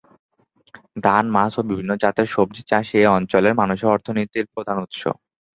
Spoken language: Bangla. ধান, মাছ ও বিভিন্ন জাতের সবজি চাষ এ অঞ্চলের মানুষের অর্থনীতির প্রধান উৎস।